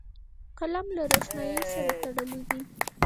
قلم له روښنايي سره تړلی دی